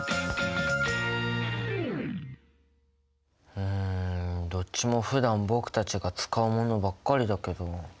うんどっちもふだん僕たちが使うものばっかりだけど。